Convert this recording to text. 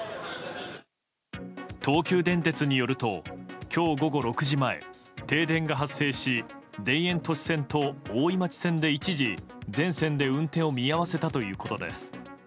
東急電鉄によると今日午後６時前停電が発生し田園都市線と大井町線で一時、全線で運転を見合わせたということです。